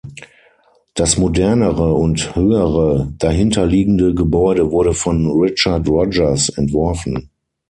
Das modernere und höhere dahinterliegende Gebäude wurde von Richard Rogers entworfen.